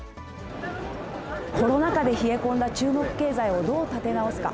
コロナ禍で冷え込んだ中国経済をどう立て直すか。